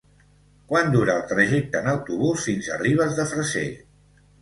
Quant dura el trajecte en autobús fins a Ribes de Freser?